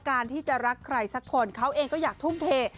การที่จะรักใครสักคนเขาเองก็อยากทุ่มเท